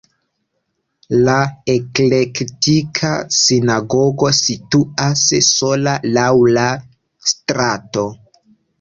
La eklektika sinagogo situas sola laŭ la strato.